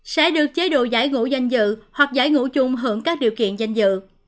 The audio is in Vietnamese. sẽ được chế độ giải ngũ danh dự hoặc giải ngũ chung hưởng các điều kiện danh dự